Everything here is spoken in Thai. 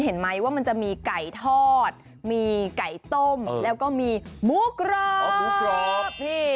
เห็นไหมว่ามันจะมีไก่ทอดมีไก่ต้มแล้วก็มีหมูกรอบ